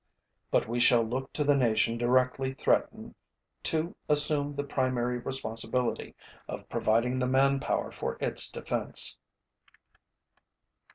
But we shall look to the nation directly threatened to assume the primary responsibility of providing the manpower for its defense.